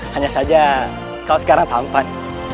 hanya saja kalau sekarang tampan